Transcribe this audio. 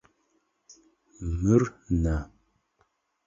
Мыр нэ.